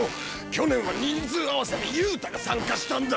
去年は人数合わせで憂太が参加したんだ。